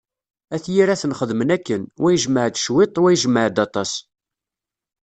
At Yiraten xedmen akken, wa ijemɛ-d cwiṭ, wa ijemɛ-d aṭas.